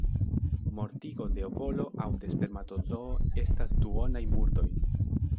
Mortigo de ovolo aŭ de spermatozoo estas duonaj murdoj.